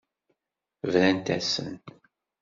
Brant-asen.